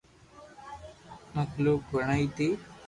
مخلوق بڻائي ٿي